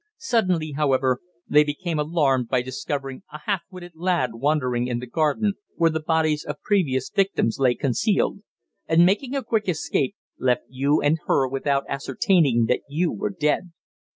Suddenly, however, they became alarmed by discovering a half witted lad wandering in the garden where the bodies of previous victims lay concealed, and, making a quick escape, left you and her without ascertaining that you were dead.